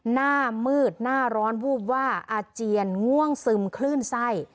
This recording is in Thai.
หน้ามืดหน้าร้อนวูบว่าอาเจียนง่วงซึมคลื่นไส้